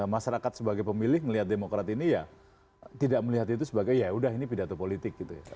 masyarakat sebagai pemilih melihat demokrat ini ya tidak melihat itu sebagai ya udah ini pidato politik gitu ya